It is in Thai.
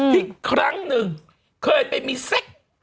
ที่ครั้งนึงเคยไปมีซิค